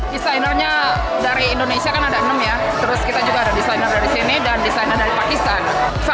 desainernya dari indonesia kan ada enam ya terus kita juga ada desainer dari sini dan desainer dari pakistan